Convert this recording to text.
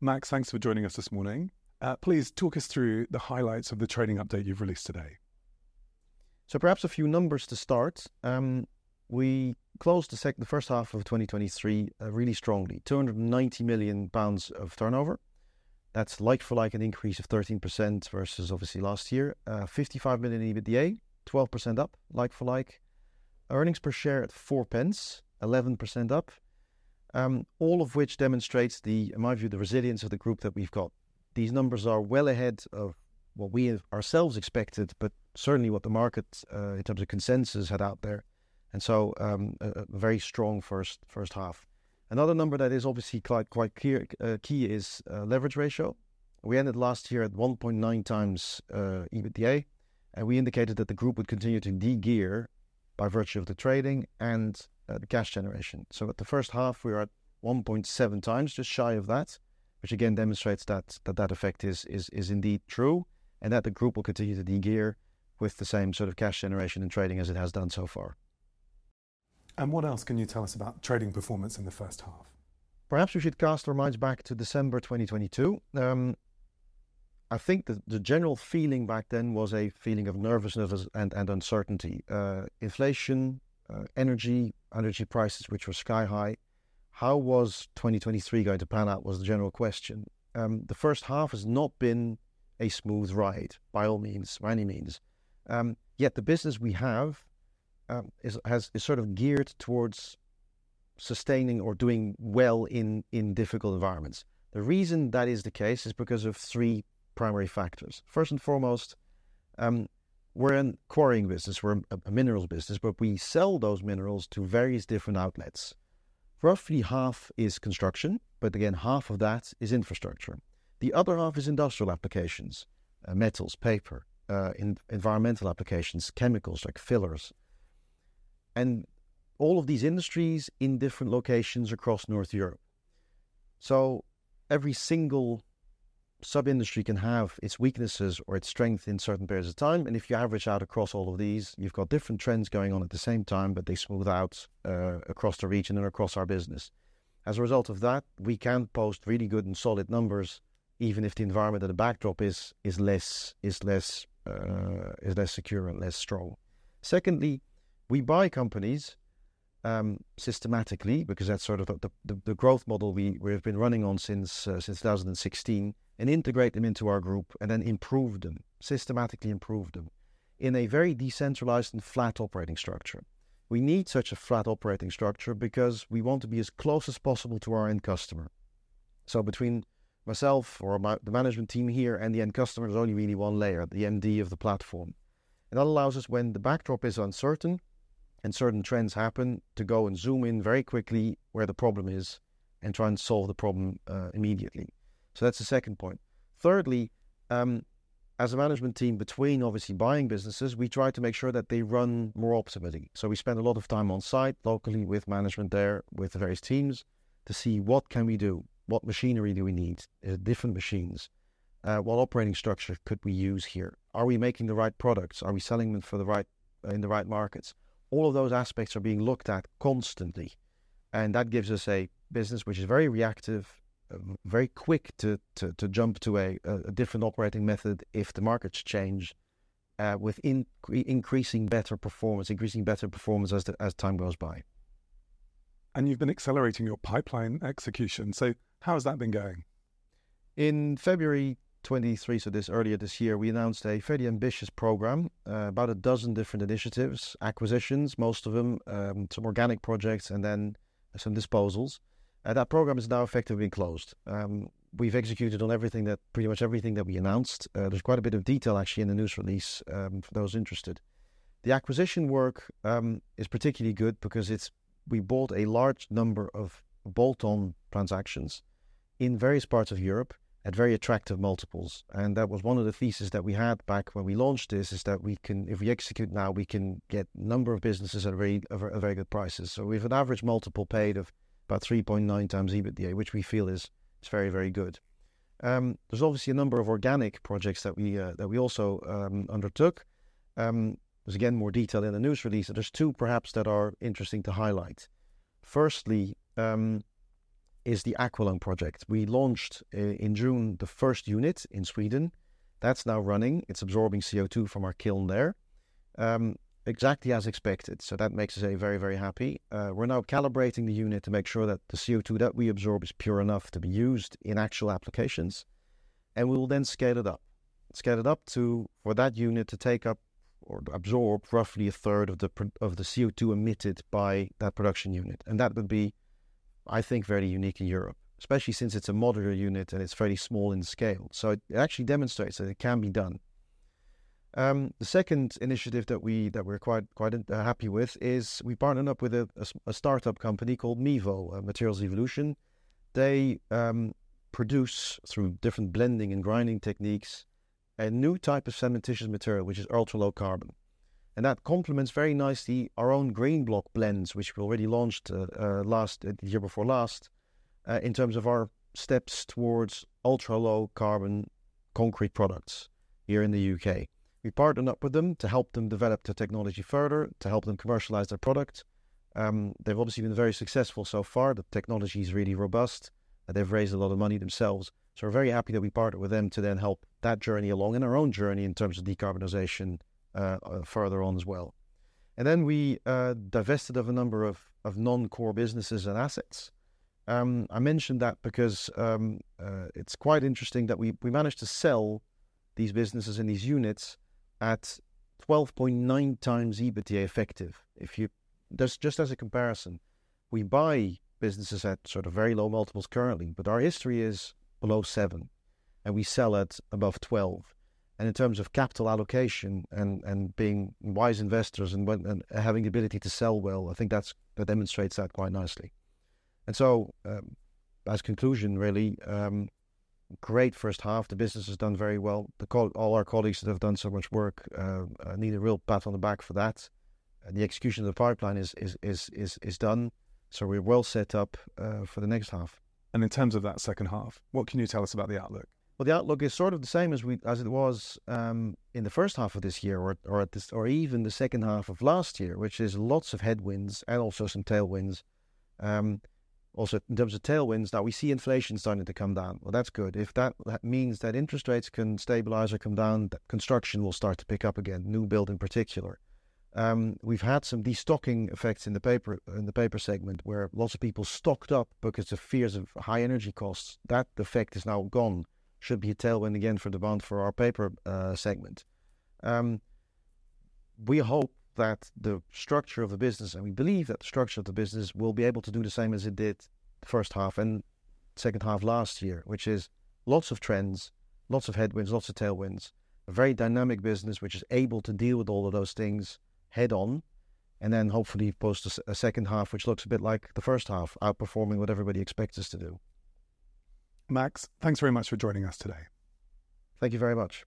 Max, thanks for joining us this morning. Please talk us through the highlights of the trading update you've released today. Perhaps a few numbers to start. We closed the first half of 2023 really strongly 290 million pounds of turnover. That's like-for-like an increase of 13% versus obviously last year. 55 million EBITDA, 12% up, like-for-like. Earnings per share at four pence, 11% up. All of which demonstrates the, in my view, the resilience of the group that we've got. These numbers are well ahead of what we have ourselves expected but certainly what the market, in terms of consensus, had out there, a very strong first half. Another number that is obviously quite clear, key is leverage ratio. We ended last year at 1.9x EBITDA, we indicated that the group would continue to de-gear by virtue of the trading and the cash generation. At the first half, we are at 1.7x just shy of that, which again demonstrates that that effect is indeed true, and that the group will continue to de-gear with the same sort of cash generation and trading as it has done so far. What else can you tell us about trading performance in the first half? Perhaps we should cast our minds back to December 2022. I think the general feeling back then was a feeling of nervousness and uncertainty. Inflation, energy prices, which were sky-high. How was 2023 going to pan out was the general question. The first half has not been a smooth ride, by all means, by any means. Yet the business we have is sort of geared towards sustaining or doing well in difficult environments. The reason that is the case is because of three primary factors. First and foremost, we're in the quarrying business. We're a minerals business, but we sell those minerals to various different outlets. Roughly half is construction, but again half of that is infrastructure. The other half is industrial applications, metals, paper, environmental applications, chemicals, like fillers, and all of these industries in different locations across North Europe. Every single sub-industry can have its weaknesses or its strength in certain periods of time and if you average out across all of these you've got different trends going on at the same time but they smooth out across the region and across our business. As a result of that we can post really good and solid number even if the environment or the backdrop is less secure and less strong. Secondly, we buy companies systematically, because that's sort of the growth model we have been running on since 2016, and integrate them into our group and then improve them---systematically improve them in a very decentralized and flat operating structure. We need such a flat operating structure because we want to be as close as possible to our end customer so between myself or the management team here and the end customer, there's only really one layer, the MD of the platform. That allows us when the backdrop is uncertain and certain trends happen to go and zoom in very quickly where the problem is and try and solve the problem immediately. That's the second point. Thirdly, as a management team, between obviously buying businesses we try to make sure that they run more optimally. We spend a lot of time on site locally with management there, with the various teams, to see what can we do, what machinery do we need different machines, what operating structure could we use here? Are we making the right products? Are we selling them for the right.. in the right markets? All of those aspects are being looked at constantly, and that gives us a business which is very reactive, very quick to jump to a different operating method if the markets change with increasing better performance as time goes by. You've been accelerating your pipeline execution, so how has that been going? In February 2023, earlier this year we announced a fairly ambitious program about a dozen different initiatives, acquisitions, most of them, some organic projects, and then some disposals, and that program is now effectively closed. We've executed on pretty much everything that we announced. There's quite a bit of detail, actually, in the news release, for those interested. The acquisition work is particularly good because we bought a large number of bolt-on transactions in various parts of Europe at very attractive multiples. That was one of the theses that we had back when we launched this, is that if we execute now, we can get a number of businesses at very good prices. We have an average multiple paid of about 3.9x EBITDA, which we feel is very, very good. There's obviously a number of organic projects that we also undertook. There's again, more detail in the news release, but there's two perhaps that are interesting to highlight. Firstly, is the aqualung project. We launched in June, the first unit in Sweden. That's now running. It's absorbing CO2 from our kiln there, exactly as expected, so that makes us very, very happy. We're now calibrating the unit to make sure that the CO2 that we absorb is pure enough to be used in actual applications, and we will then scale it up. Scale it up to, for that unit to take up or absorb roughly a third of the CO2 emitted by that production unit. That would be, I think, very unique in Europe, especially since it's a modular unit, and it's fairly small in scale. It actually demonstrates that it can be done. The second initiative that we're quite happy with is we partnered up with a start-up company called Mevo, Material Evolution. They produce, through different blending and grinding techniques, a new type of cementitious material, which is ultra-low carbon and that complements very nicely our own Greenbloc blends, which we already launched last, the year before last, in terms of our steps towards ultra-low carbon concrete products here in the UK. We partnered up with them to help them develop their technology further to help them commercialize their product. They've obviously been very successful so far. The technology's really robust, and they've raised a lot of money themselves. We're very happy that we partnered with them to then help that journey along, and our own journey in terms of decarbonization further on as well. We divested of a number of non-core businesses and assets. I mention that because it's quite interesting that we managed to sell these businesses and these units at 12.9x EBITDA effective. Just as a comparison we buy businesses at sort of very low multiples currently but our history is below seven and we sell at above 12. In terms of capital allocation and being wise investors and having the ability to sell well, I think that demonstrates that quite nicely. As conclusion really, great first half, the business has done very well all our colleagues that have done so much work, I need a real pat on the back for that, and the execution of the five plan is done, so we're well set up for the next half. In terms of that second half, what can you tell us about the outlook? Well, the outlook is sort of the same as it was in the first half of this year or even the second half of last year, which is lots of headwinds and also some tailwinds. In terms of tailwinds, now we see inflation starting to come down. Well, that's good. If that means that interest rates can stabilize or come down, the construction will start to pick up again, new build in particular. We've had some destocking effects in the paper segment, where lots of people stocked up because of fears of high energy costs. That effect is now gone. Should be a tailwind again for demand for our paper segment. We hope that the structure of the business, and we believe that the structure of the business will be able to do the same as it did the first half and second half last year, which is lots of trends, lots of headwinds, lots of tailwinds. A very dynamic business which is able to deal with all of those things head-on, and then hopefully post a second half, which looks a bit like the first half, outperforming what everybody expects us to do. Max, thanks very much for joining us today. Thank you very much.